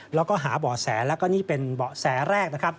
แล้วก็หาเบาะแสและนี่เป็นเบาะแสแรก